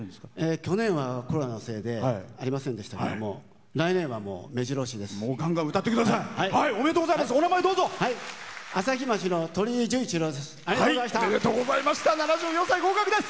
去年はコロナのせいでありませんでしたけども来年は、めじろ押しです。